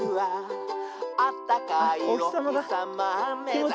「あったかいおひさまめざして」